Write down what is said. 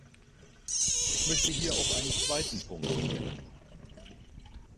Ich möchte hier auch einen zweiten Punkt klären.